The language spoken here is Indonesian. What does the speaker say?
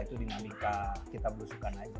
itu dinamika kita berusaha naik